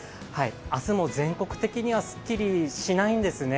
明日も全国的には、すっきりしないんですね。